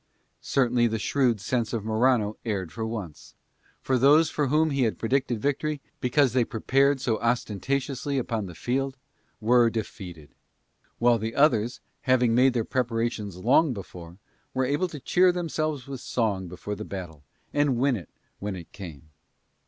Certainly the shrewd sense of Morano erred for once; for those for whom he had predicted victory, because they prepared so ostentatiously upon the field, were defeated; while the others, having made their preparations long before, were able to cheer themselves with song before the battle and to win it when it came.